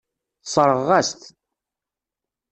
Sseṛɣeɣ-as-t.